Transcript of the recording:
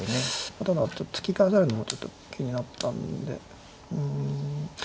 ただ突き返されるのもちょっと気になったんでうん。